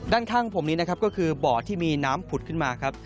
ด้านข้างผมนี้นะครับก็คือบ่อที่มีน้ำผุดขึ้นมาครับ